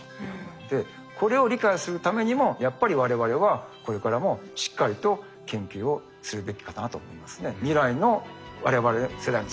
でこれを理解するためにもやっぱり我々はこれからもしっかりと研究をするべきかなと思いますね。